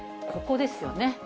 ここですよね。